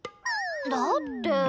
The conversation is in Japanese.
だって。